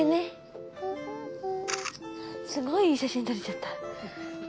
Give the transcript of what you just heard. すごいいい写真撮れちゃった。